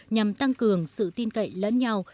nhằm tăng cường sự tin cậy lớn nhau